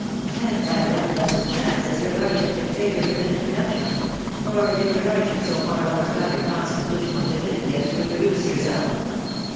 " And by what blessed chance has your lordship been fa voured with an introduction ?.... Or did your lordship bo far overcome your constitutional timidity, as to introduce yourself?